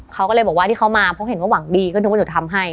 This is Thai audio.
เขาก็เลยบอกว่าที่เขามาเพราะเห็นว่าหวังดีก็นึกว่าจะทำให้